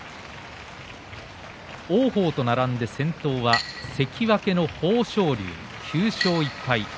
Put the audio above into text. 王鵬と並んで先頭は関脇の豊昇龍、９勝１敗。